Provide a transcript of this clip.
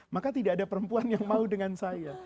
maka tidak ada perempuan yang mau dengan saya